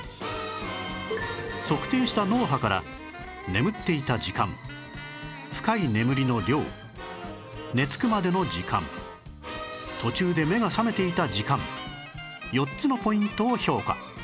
測定した脳波から眠っていた時間深い眠りの量寝つくまでの時間途中で目が覚めていた時間４つのポイントを評価